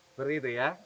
seperti itu ya